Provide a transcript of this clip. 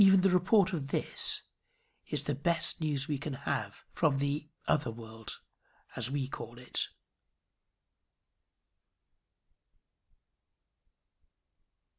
Even the report of this is the best news we can have from the other world as we call it.